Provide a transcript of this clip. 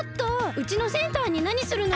うちのセンターになにするのよ！